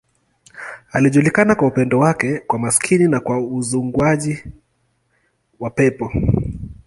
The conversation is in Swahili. Alijulikana kwa upendo wake kwa maskini na kwa uzinguaji wa pepo.